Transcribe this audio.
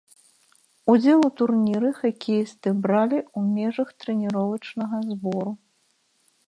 Удзел у турніры хакеісты бралі ў межах трэніровачнага збору.